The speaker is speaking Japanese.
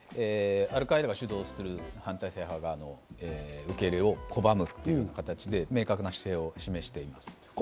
アルカイダが主導する、反体制派が受け入れを拒むという形で、明確な姿勢を示しています。